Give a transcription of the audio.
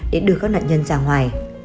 để đưa các nạn nhân ra ngoài